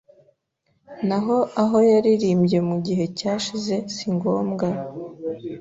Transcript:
naho aho yaririmbye mu gihe cyashize singombwa